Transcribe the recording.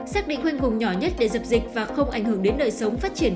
xác định huyền vùng nhỏ nhất để dập dịch và không ảnh hưởng đến nơi sống phát triển